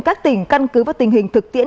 các tỉnh căn cứ và tình hình thực tiễn